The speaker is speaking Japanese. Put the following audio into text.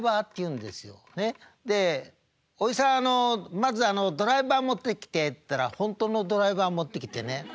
まずドライバー持ってきて」って言ったら本当のドライバー持ってきてね